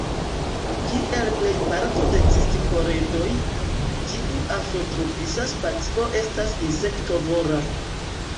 Kiel plej parto de cistikoledoj, tiu afrotropisa specio estas insektovora.